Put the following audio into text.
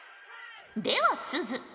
ではすず。